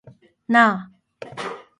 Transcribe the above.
なあ